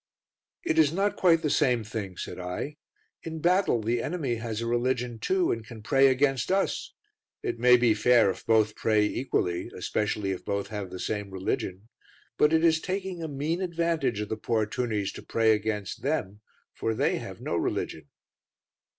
"It is not quite the same thing," said I. "In battle the enemy has a religion too and can pray against us: it may be fair if both pray equally, especially if both have the same religion. But it is taking a mean advantage of the poor tunnies to pray against them, for they have no religion."